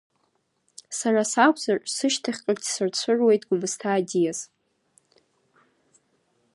Сара сакәзар, сышьҭахьҟагь сырцәыруеит Гәмысҭа аӡиас.